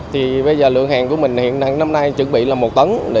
thì bây giờ lượng hàng của mình hiện năm nay chuẩn bị là một tấn